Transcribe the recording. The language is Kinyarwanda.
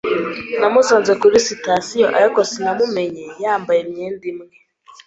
Namusanze kuri sitasiyo, ariko sinamumenye yambaye imyenda imwe